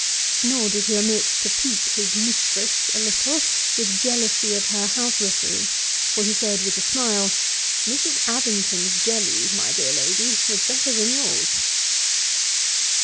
Nor did he omit to pique his mistress a little with jealousy of her housewifery; for he said, (with a smile,) 'Mrs. Abington's jelly, my dear Lady, was better than yours.'